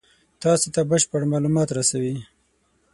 تاسې ته بشپړ مالومات رسوي.